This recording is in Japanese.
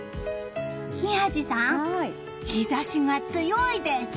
宮司さん、日差しが強いです！